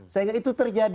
sehingga itu terjadi